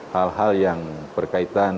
hal hal yang berkaitan